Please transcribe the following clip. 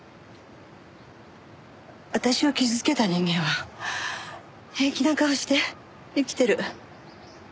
私を傷つけた人間は平気な顔して生きてる。